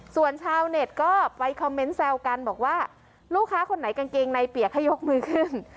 ส่วนชาวเน็ตก็ไปคอมเมนต์แซวกันบอกว่าลูกค้าคนไหนกางเกงในเปียกให้ยกมือขึ้น